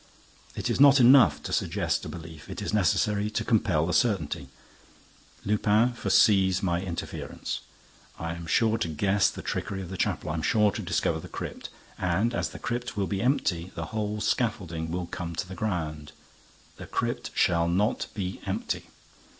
It is not enough to suggest a belief; it is necessary to compel a certainty. Lupin foresees my interference. I am sure to guess the trickery of the chapel. I am sure to discover the crypt. And, as the crypt will be empty, the whole scaffolding will come to the ground. _The crypt shall not be empty.